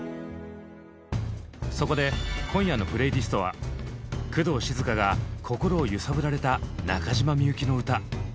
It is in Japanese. そこで今夜のプレイリストは工藤静香が心を揺さぶられた中島みゆきのうた。